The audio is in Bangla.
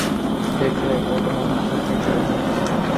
দেখলে, ও তোমার মাথা খেয়ে ফেলবে।